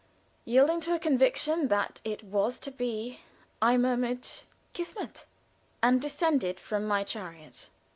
Yielding to a conviction that it was to be, I murmured "Kismet," and descended from my chariot.